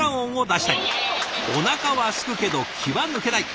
おなかはすくけど気は抜けない。